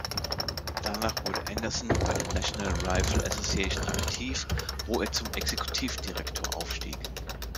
Danach wurde Anderson bei der National Rifle Association aktiv, wo er zum Exekutivdirektor aufstieg.